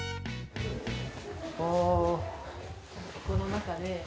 この中で。